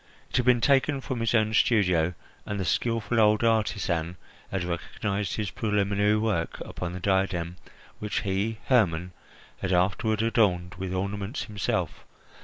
It had been taken from his own studio, and the skilful old artisan had recognised his preliminary work upon the diadem which he, Hermon, had afterward adorned with ornaments himself.